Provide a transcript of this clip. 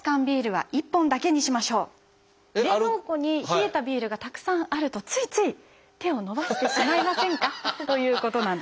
冷蔵庫に冷えたビールがたくさんあるとついつい手を伸ばしてしまいませんかということなんですよ。